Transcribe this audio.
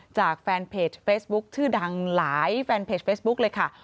จากแฟนเพจเฟซบุ๊คชื่อดังหลายแฟนเพจเฟซบุ๊คเลยค่ะ